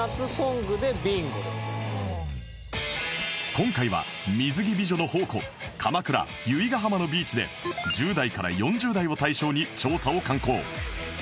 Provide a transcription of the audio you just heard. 今回は水着美女の宝庫鎌倉由比ガ浜のビーチで１０代から４０代を対象に調査を敢行